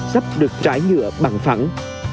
sắp được trái nhựa bằng phẳng